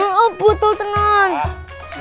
oh betul tenang